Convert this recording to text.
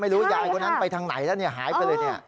ไม่รู้ว่ายายคนนั้นไปทางไหนแล้วเนี่ยหายไปเลยเนี่ย